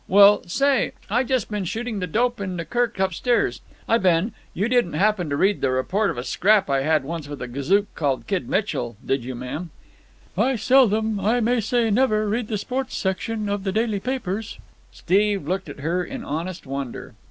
Well, say, I just been shooting the dope into Kirk upstairs. I been—you didn't happen to read the report of a scrap I once had with a gazook called Kid Mitchell, did you, ma'am?" "I seldom, I may say never, read the sporting section of the daily papers." Steve looked at her in honest wonder.